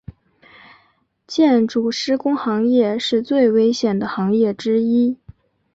建筑施工行业是最危险的行业之一。